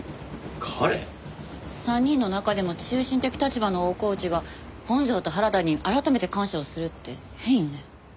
３人の中でも中心的立場の大河内が本条と原田に改めて感謝をするって変よね？